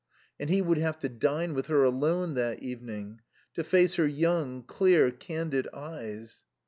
And he would have to dine with her alone that evening, to face her young, clear, candid eyes.